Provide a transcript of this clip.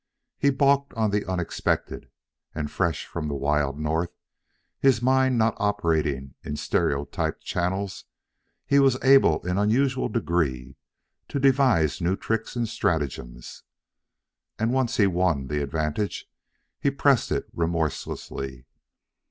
He balked on the unexpected, and, fresh from the wild North, his mind not operating in stereotyped channels, he was able in unusual degree to devise new tricks and stratagems. And once he won the advantage, he pressed it remorselessly.